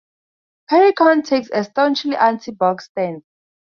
Perricone takes a staunchly anti-Botox stance.